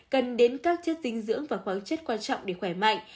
cần đến các chất dinh dưỡng và khoáng chất quan trọng để khỏe mạnh